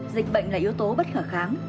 dịch bệnh là yếu tố bất khả kháng